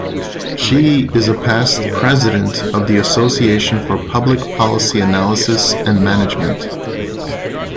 She is a past president of the Association for Public Policy Analysis and Management.